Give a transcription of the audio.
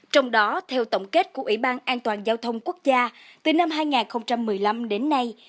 trong đó theo tổng kết của ủy ban an toàn giao thông quốc gia từ năm hai nghìn một mươi năm đến nay